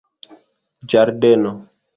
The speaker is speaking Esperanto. ĝardeno